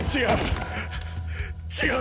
違う！！